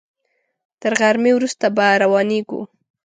تر غرمې وروسته به روانېږو.